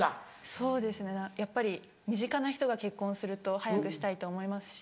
そうですねやっぱり身近な人が結婚すると早くしたいって思いますし。